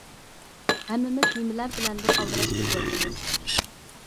ھەممىمىز نېمىلەر بىلەندۇر ئالدىراش كېتىۋاتىمىز.